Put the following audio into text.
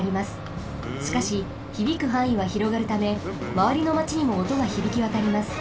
しかしひびくはんいはひろがるためまわりのマチにもおとがひびきわたります。